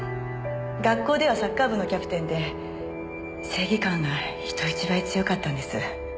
学校ではサッカー部のキャプテンで正義感が人一倍強かったんです。